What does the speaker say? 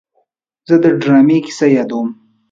زه د ډرامې کیسه یادوم.